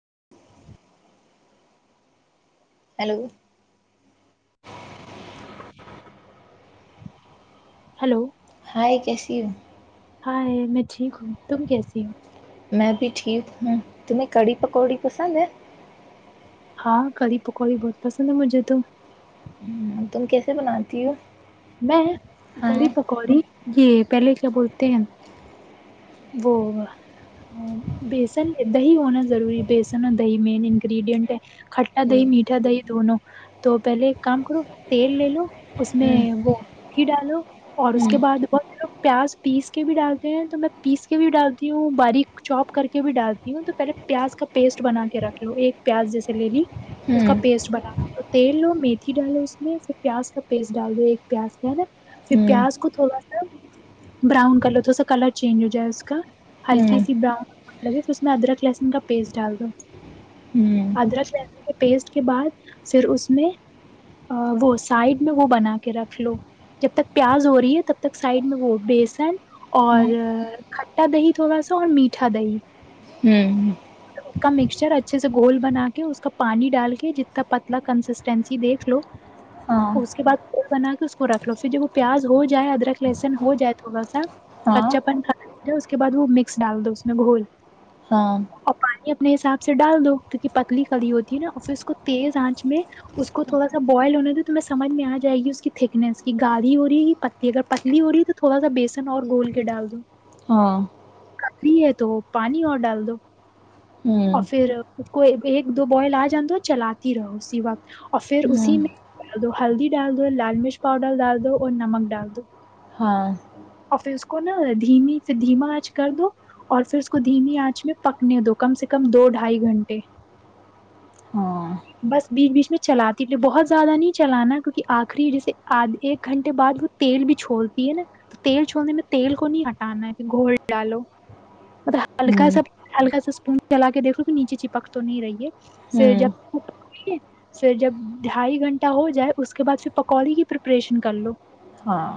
[unintelligible] hello hello آائے کیسی ہو ہائے میں ٹھیک ہوں تم کیسی ہو میں بھی ٹھیک ہوں تمہیں کڑی پکوڑی پسند ہے ہاں کڑھی پکوڑی بہت پسند ہے مجھے تو ہم، تم کیسے بناتی ہو میں کڑھی ہاں پکوڑی یہ پہلے کیا بولتے ہیں وہ بیسن دہی ہونا ضروری بیسن اور دہی مین انگریڈینٹ ہے کھٹا دہی ہم، میٹھا دہی دونوں تو پہلے ایک کام کرو تیل لے لو اس میں ہم، وہھی ڈالو اور اس کے بعد بہت لوگ پیاز پیس کے بھی ڈالتے ہیں تو میں پیس کے بھی ڈالتی ہوں باریک چوپ کر کے بھی ڈالتی ہوں تو پہلے پیاز کا پیسٹ بنا کے رکھ لو ایک پیاز جیسے لے لی اس کا ہم، پیسٹ بنانا تیل لو میتھی ڈالو اس میں پھر پیاز کا پیسٹ ڈال دو ایک پیاز کیا ہے نا پھر ہم، ہم، پیاز کو تھوڑا سا براؤن کلر تھوڑا سا کلر چینج ہو جائے اس کا ہلکی ہم، سی براؤن لگے پھر اس میں ادرک لہسن کا پیسٹ ڈال دو ادر پیسٹ کے بعد پھر اس میں وہ سائڈ میں وہ بنا کے رکھ رکھ لو جب تک پیاز ہو رہی ہے تب تک سائڈ میں وہ بیسن ہم، ہم، اور کھٹا دہی تھوڑا سا اور میٹھا دہی ہوں اس کا مکسچر اچھے سے گول بنا کے اس کا پانی ڈال کے جتنا پتلا کنسسٹینسی دیکھ لو ہاں اس کے بع گول بنا کے اس کو رکھ لو پھر جب وہ پیاز ہو جائے ادرک لہسن ہو جائے تھوڑا سا ہاں کچچا پن ک اس کے بعد وہ مکس ڈال دو اس میں گھول ہاں اور پانی اپنے حساب سے ڈال دو کیونکہ پتلی کی ہوتی ہے نا پھر اس کو تیز آنچ میں اس کو تھوڑا سا بوائل ہونے دو تو میں سمجھ میں آ جائے گی اس کی تھکنیس کی گاالھی ہو رہی ہے کہ پتلی اگر پتلی ہو رہی ہے تو تھوڑا سا بیسن اور گھول کے ڈال دو ہاں کی ہے تو پانی اور ڈال دو اور ہوں پھر خود کو ایک دو بوائل آ جان دو چلاتی رہو اسی وقت اور پھر ہوں اسی میں ڈال دو ہلدی ڈال دو لال مرچ پاؤڈر ڈال دو اور نمک ڈال دو ہاں اور پھر اس کو نا دھیمی پ دھیما آنچ کر دو اور پھر اس کو دھیمی آنچ میں پکنے دو کم سے کم دو ڈھائی گھنٹے ہاں بس بیچ بیچ میں چلاتی بہت زیادہ نہیں چلانا کیونکہ آخری جیسے آدھ ایک گھنٹے بعد وہ تیل بھی چھوولتی ہے نا تو تیل چھوولنے میں تیل کو نہیں ہٹانا ہے کہ گھول ڈالو مط ہلکا ہوں سا ہلکا سا تم چلا کے دیک لو کہ نیچے چپک تو نہیں رہی ہے ہوں کے پھر جب ڈھائی گھنٹہ ہو جائے اس کے بعد پھر پکوڑی کی پریپریشن کر لو ہاں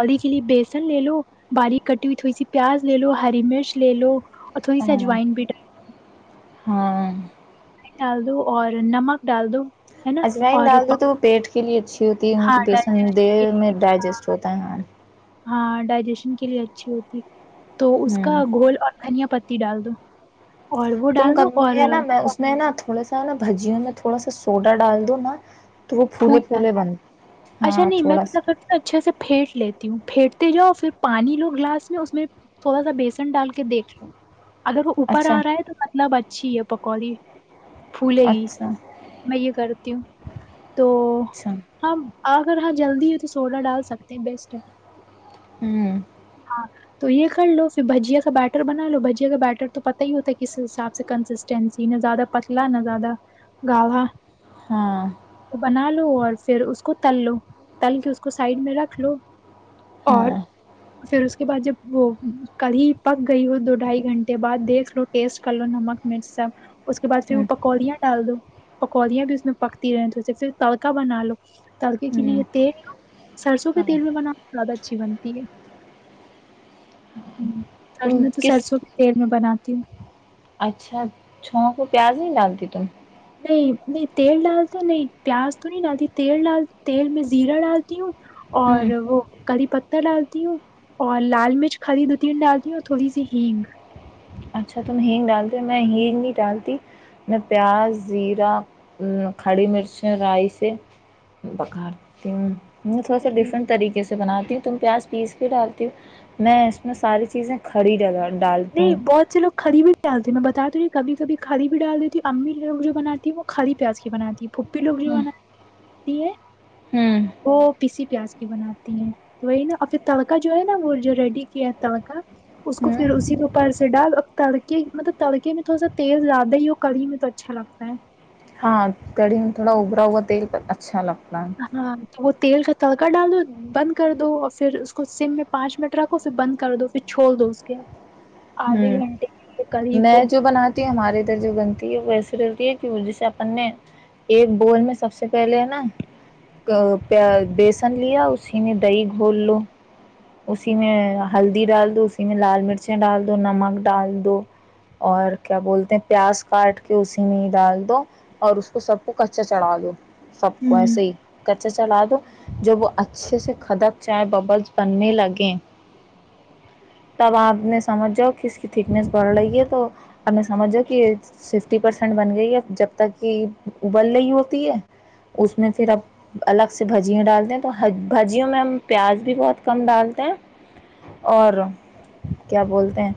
ہلدی کے لیے بیسن لے لو باریک کٹی ہوئی تھوڑی سی پیاز لے لو ہری مرچ لے لو اور تھوڑی سی ہاں اجوائن بھی ڈ [unintelligible] ہاں [unintelligible] انی ڈال دو اور نمک ڈال دو [unintelligible] اجمائی اور ڈال دو تو وہ پیٹ کے لیے اچھی [unintelligible] ہوتی ہے ان ہاں کی پس د ڈائجیشن کے لیے میں ہاں ڈائجسٹ ہوتا ہے ہ ہاں ڈائجیشن کے لیے اچھی ہوتی تو اس کا ہوں گھول اور دھنیا پتی ڈال دو اور وہ تم ڈال دو ک اور ہے نا میں اس میں نا تھوڑا سا نا بھجیوں میں [unintelligible] تھوڑا سا سوڈا ڈال دو نا [unintelligible] پھول پھولے بن اچھا ہاں نہیں میں تھوڑا تو سا کرتی اچھے سے پھی [unintelligible] لیتی ہوں پھیٹتے جاؤ پھر پانی لو گلاس میں اس میں تھوڑا سا بیسن ڈال کے دیکھ لو [unintelligible] اگر وہ اوپر اچھا آ رہا تو مطلب اچھا [unintelligible] اچھی ہے پکوڑی [unintelligible] پھولے گی اچھا میں یہ کر [unintelligible] تیو [unintelligible] تو اچھا ہماں [unintelligible] اگر ہاں جلدی ہے تو سوڈا ڈال سکتے ہیں بیسٹ ہے [unintelligible] ہوں ہاں تو یہ کر لو پھر بھجیا کا بیٹر بنا لو بھجیا کا بیٹر تو پت ہی ہوتا ہے کس حساب سے کنسسٹینسی نہ زیادہ پتلا نہ زیادہ گاڑھا ہاں تو بنا لو اور پھر اس کو تل لو تل کے اس کو سائڈ میں رکھ لو اور ہاں [unintelligible] پھر اس کے بعد جب وہ کل ہی پک گئی ہو دو ڈھائی گھنٹے بعد دیکھ لو ٹیسٹ کر لو نمک مرچ سب اس کے بعد پھر ہ وہ پکودیاں ڈال دو پکودیاں بھی اس میں پکتی رہ تھ سے پھر تڑکا بنا لو تڑکے کے لیے ہ یہ تیل سرسوں کے ہاں تیل بھی بنانا زیادہ اچھی بنتی ہے [unintelligible] ہ س تم میں تو کس سرسو کی تل [unintelligible] میں بناتی ہوں [unintelligible] اچھا چھو کو پیاز نہیں ڈالتی تم [unintelligible] نہیں نہیں تیل ڈالتا نہیں پیاز تو نہیں ڈالتی تیل ڈال تیل میں زیرہ ڈالتی ہوں [unintelligible] ہوں اور وہ [unintelligible] کری پتہ ڈالتی ہوں اور لال مرچ کھریی دو تین ڈالتی ہوں تھوڑی سی ہینگ [unintelligible] اچھا تم ہینگ ڈالتے ہو میں ہینگ نہیں ڈالتی میں پیاز زیرہ کھڑی مرچ رائی سے پکارتی ہوں [unintelligible] ہ تھوڑا س نہیں ڈفرنٹ طریق سے [unintelligible] بناتی ہوں تم پیاز پیس کے ڈالتی ہووں میں اس میں ساری چیزیں کھڑی ڈگا [unintelligible] نہیں بہت سے لوگ [unintelligible] کری بھی ڈالتی میں بتاتی کبھی کبھی کھری بھی ڈال دیتی ہوں امی لوگ جو بناتی ہے وہ کری پیاز کی بناتی پھپھی لوگ جو ہوں بنی ہے ہوں وہ پیسی پیاز کی بناتی ہے تو وہی نا پھر تڑکا جو ہے نا وہ جو ریڈی کیا ہے تڑکا اس کو [unintelligible] پھر ہوں اس کے اوپر سے ڈال اب تڑکے مطلب تڑکے میں تھوڑا سا تیز زیادہ ہی ہو کڑی میں تو اچھا لگتا ہے [unintelligible] ہاں کڑھی تھوڑا ابرا ہو وہا تل اچھا لگتا [unintelligible] ہاں [unintelligible] تیل کا تڑکا ڈال دو بند کر دو اور پھر اس کو سم میں پانچ منٹ رکھو پھر بند کر دو پھر چھڑ دو اس کےد آدھے ہوں گھنٹے [unintelligible] کری کو میں جو بناتی ہوں ہمارے ادھر جو بنتی ہے ویسے [unintelligible] تی ہے کہ جیسے اپن نے ایک بول میں سب سے پہلے نا بیسن لیا اسی میں دہی گھول ل اسی میں ہلدی ڈال دو اسی میں لال مرچیں ڈال دو نمک ڈال دو [unintelligible] اور کیا بولتے ہیں پیاز کاٹ کے اسی میں ہی ڈال دو اور اس کو سب کو کچا چڑھا دو [unintelligible] سب کو ہوں ایسے ہی [unintelligible] ا چلا دو جب وہ اچھے سے کھدک چائے ببلس بننے لگے تب آپ نے سمجھ جاؤ کہ اس کی تھکنیس پڑ رہی ہے تو اب سمجھ کہ ففٹی پرسینٹ بن گئی ہے ا جب تک کہ ابل رہی ہوتی ہے اس میں پھر اب الگ سے بھجیاں ڈالتے ہیں تو بھجیوں میں ہم پیاز بھی بہت کم ڈالتے ہیں اور کیا بولتے ہیں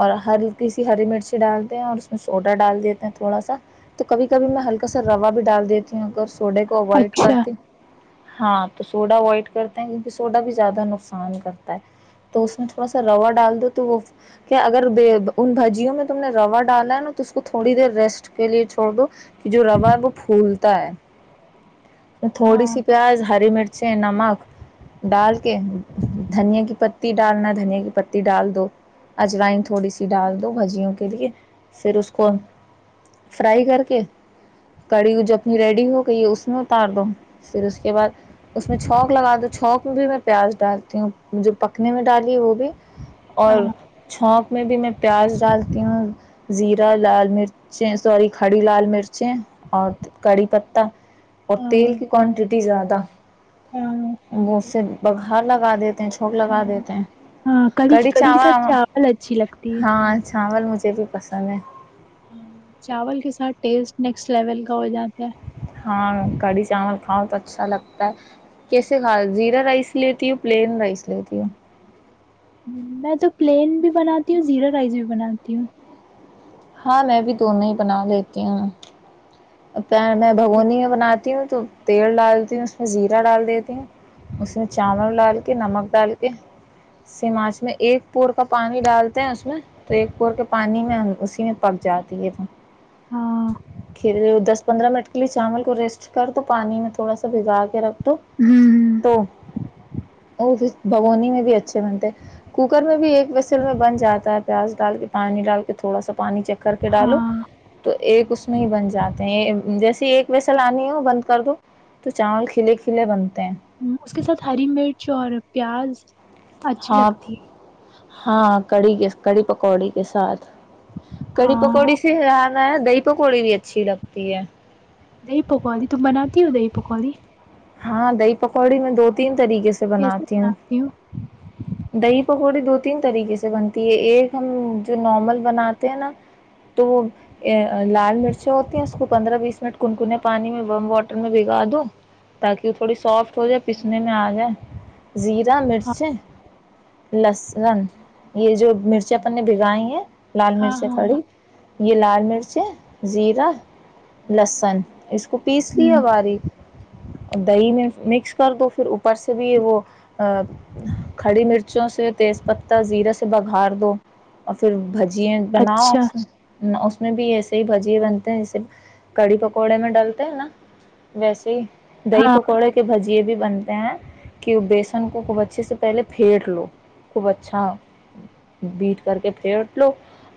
اور ہلک سی ہری مرچی ڈالتے ہیں اور اس میں سوڈا ڈال دیتے ہیں تھوڑا سا تو کبھی کبھی میں ہلکا سا روا بھی ڈال دیتی ہوں اگر سوڈے کو اوائڈ اچھا کرتی ہاں تو سوڈا اوائڈ کرتے ہیں کیونکہ سوڈا بھی زیادہ نقصان کرتا ہے تو اس میں تھوڑا سا روا ڈال دو تو وہ کیا اگر ان بھجیوں میں تم نے روا ڈالا ہے نا تو اس کو تھوڑی دیر ریسٹ کے لیے چھوڑ دو یہ جو ربا ہے وہ پھول تا ہے تھوڑی ہاں سی پیاز ہری مرچ اچھے نمک ڈال کے دھنیا کی پتی ڈالنا دھنیا کی پتی ڈال دو اجوائن تھوڑی سی ڈال دو بھجیوں کے لیے پھر اس کو فرائی کر کے کڑی جو اپنی ریڈی ہو گئی ہے اس میں اتار دو پھر اس کے بعد اس میں چونک لگا دو چونک میں بھی میں پیاز ڈالتی ہوں جو پکنے میں ڈالی ہے وہ بھی اور ہاں میں بھی میں پیاز ڈالتی ہوں زیرا لال مرچیں سوری کھڑی لال مرچیں اور کڑی پتا اور تیل ہاں کی کوانٹیٹی زیادہ ہاں وہ سے بگار لگا دیتے چوک لگا ہاں دیتے ہیں کڑی چاول ب اچھی لگتی ہے ہاں چاول مجھے بھی پسند ہیں ہاں چاول کے ساتھ ٹیسٹ نیکسٹ لیول کا ہو جاتا ہے ہاں کڑھی چاول کھاؤ تو اچھا لگتا ہے کیسے کھا زیرا رائس لیتی ہ پلین رائس لیتی ہ میں تو پلین بھی بناتی ہوں زیرو رائس بھی بناتی ہوں ہاں میں بھی دونوں ہی بنا لیتی ہوں پ میں اور بھگونی میں بناتی ہوں [unintelligible] تو تیل ڈالتی ہوں اس میں زیرہ ڈال دیتی ہوں اس میں چاول ڈال کے نمک ڈال کے سمانچ میں ایک پور کا پانی ڈالتے ہیں اس میں تو ایک پور کے پانی میں اس [unintelligible] پک جاتی ہے تو ہاں ک دس پندرہ منٹ [unintelligible] الی چاول کو ریسٹ کر دو پانی میں تھوڑا سا بھگا کے رکھ [unintelligible] تو ہوں تو وہ بھیھر [unintelligible] بھگونی میں بھی اچھے بنتے کوکر میں بھی ایک بسل میں بن جاتا ہے پیاز ڈال کے پانی ڈال کے تھوڑا سا [unintelligible] پانی چکر کے ڈالو ہاں تو [unintelligible] ایک اس میں ہی بن جاتے ہیں جیسے ایک ویسا لانی ہو بند کر دو تو چاول کھلے کھلے بند [unintelligible] اس کے ساتھ ہری مرچ اور پیاز [unintelligible] اچھی ہاں لگتی ہے [unintelligible] ہاں کڑی کے کڑی پکوڑی کے ساتھ [unintelligible] کڑھی ہاں پکوڑی سےا [unintelligible] دہ پکوی بھی ا [unintelligible] دہی پکوالی تم بناتی ہو دہی پکوڑی [unintelligible] ہاں دہ پکوڑی میں دو تی [unintelligible] طریقے سے کیسے بناتی ہوں ہو دہ [unintelligible] پکوڑی دو تین طریقے سے بنتی ہے ایک ہم جو نارمل بناتے ہیں نا تو وہ لال مرچیں ہوتی ہیں اس کو پندرہ بیس منٹ کنکنے پانی میں بم واٹر میں بگا دو [unintelligible] تاکہ وہ تھوڑی سافٹ ہو جائے پسنے میں آ جائے [unintelligible] زیرہ ہاں مرچیں [unintelligible] لسن یہ جو مرچی اپ نے بھگائی ہیں [unintelligible] لال ہاں مرچ ہاں ہاں کڑھی [unintelligible] یہ لال مرچیں زیرہ لہسن اس کو [unintelligible] حپیس کی ہوں آواری [unintelligible] ا د ہی میں [unintelligible] مکس کر دو پھر اوپر سے بھی وہ کھڑی مرچوں سے [unintelligible] تیز پتہ زیرہ سے بگھار دو اور پھر [unintelligible] جی بناؤ اچھا [unintelligible] میں بھی ایسے ہی بھجیے بنتے ہیں جیسے کڑی پکوڑے میں ڈلتے ہیں نا ویسے ہی [unintelligible] دہ ہاں پکوڑے کے بجیے بھی [unintelligible] بنتے ہیں کہ بیسن کو خوب اچھے سے پہلے پھیٹ لو خوب اچھا بیٹ کر کے پھیٹ لو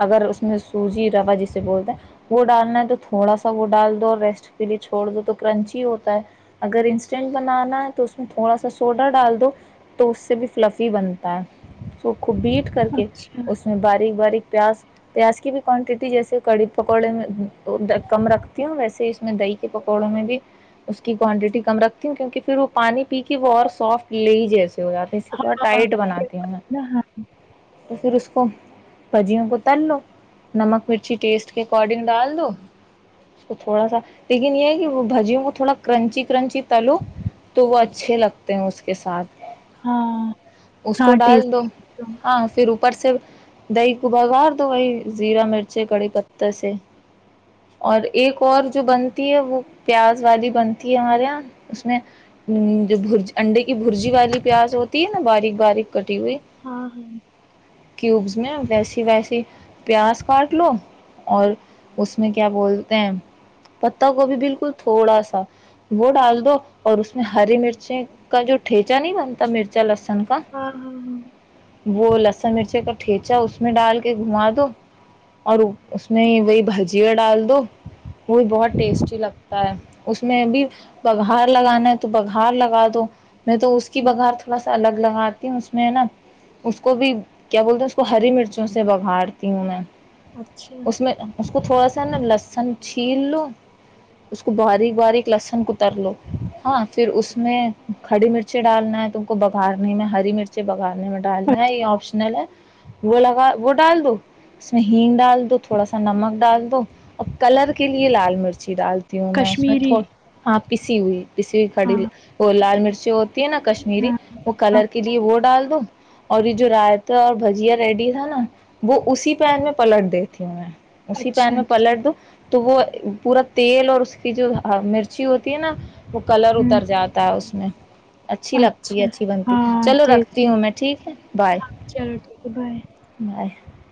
اگر اس میں سوجی روا جسے بولتے ہیں وہ ڈالنا ہے تو تھوڑا سا وہ ڈال دو اور ریسٹ کے لیے چھوڑ دو تو کرنچی ہوتا ہے [unintelligible] اگر انسٹینٹ بنانا ہے تو اس میں تھوڑا سا سوڈا ڈال دو تو اس سے بھی فلفی بنتا ہے س [unintelligible] کو بیٹ کر کے اچھا اس میں باریک باریک [unintelligible] پیاز پیاز کی بھی کوانٹیٹی جیسے کڑی پکوڑے میں کم رکھتی ہوں ویسے اس میں دہی کے پکوڑوں میں بھی [unintelligible] کی کوانٹٹی کم رکھتی ہیں کیونکہ پھر وہ پانی پی کے وہ اور سافٹ لے جیسے [unintelligible] جات تھوڑا ہاں ٹائٹ بناتی ہاں پھر اس بھجیوں کو تل لو نمک مرچی ٹیسٹ کے اکارڈنگ ڈال دو اس کو تھوڑا سا لیکن یہ ہے کہ وہ بھجیوں کو تھوڑا کرنچی کرنچی تلو تو وہ اچھے لگتے ہیں اس کے ساتھ ہاں اس ہاں کو ڈال دو ٹیسٹ ہاں پھر اوپر سے دہی کو بگا دو وہی زیرا مرچے کڑی پت سے اور ایک اور جو بنتی ہے وہ پیاز والی بنتی ہمارے یہاں اس میں بجی انڈے کی برجی والی پیاز ہوتی ہے نا باریک باریک کٹی ہوئی ہاں ہاں کیوبس میں ویسی ویسی پیاز کاٹ لو اور اس میں کیا بولتے ہیں پت گوبھی بالکل تھوڑا سا وہ ڈال دو اور اس میں ہری مرچی کا جو ٹھیچا نہیں بنتا مرچا لسن ہاں ہاں ہاں وہ لسن مرچی کا ٹھیچا اس میں ڈال کے گھما دو اور اس میں وہی بھجیا ڈال دو وہ بھی بہت ٹیسٹی لگتا ہے میں بھی بگھار لگانا ہے تو بگھار لگا دو نہیں تو اس کی ہوں بگار تھوڑا س ا الگ لگاتی ہوں اس میں ہے نا اس کو بھی کیا بولتے ہیں اس کو ہری مرچوں سے بگھاارتی ہوں میں اچھا اس میں اس کو تھوڑا سا لسن چھیل لو اس کو بارییک [inaudible] ما آپشنل اگ ووٹ [inaudible] ڈال دو سہین ڈال دو [inaudible] دو تھوڑا سا نمک ڈال دو [inaudible] ا کلر کے لیے لال مرچی ڈالتے [inaudible] [inaudible] [inaudible] [inaudible] [unintelligible] کشمیری ہاں نا کشمیری ہاں وہ ہاں کلر کے لیے وہ ڈال [unintelligible] [inaudible] اسی پین اچھا میں پلٹ دو تو وہ پورا [inaudible] تیل اور اس کی جو [unintelligible] ہ مرچی ہوتی ہے نا وہ کلر ہ اتر جاتا ہے ا [inaudible] نہیں [inaudible] اچھی لگتی اچھا ہے اچھی بنتی ہاں چلو ٹھیک رکھتی ہوں میں ٹھیک ہے بائے چلو ٹھیک ہے بائے بائے